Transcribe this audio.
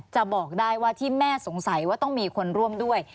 บอกได้ว่าที่แม่สงสัยว่าต้องมีคนร่วมด้วย